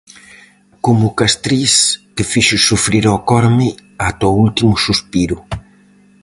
Como o Castriz, que fixo sufrir ao Corme ata o último suspiro.